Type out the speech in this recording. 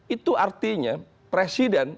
itu artinya presiden